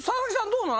どうなん？